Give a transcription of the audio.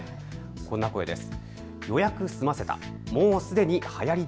こんな声です。